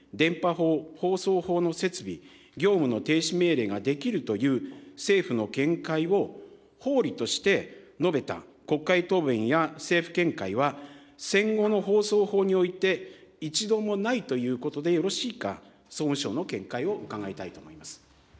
それを根拠に、電波法放送法の設備、業務の停止命令ができるという政府の見解を法理として述べた国会答弁や政府見解は、戦後の放送法において一度もないということでよろしいか、総務省の見解を伺いたいと思います。